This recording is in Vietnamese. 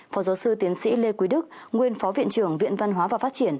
phó giáo sư tiến sĩ lê quý đức nguyên phó viện trưởng viện văn hóa và phát triển